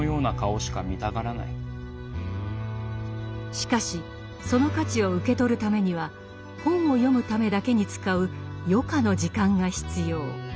しかしその価値を受け取るためには本を読むためだけに使う「余暇」の時間が必要。